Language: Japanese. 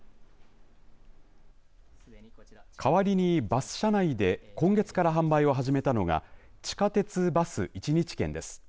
代わりにバス車内で今月から販売を始めたのが地下鉄・バス１日券です。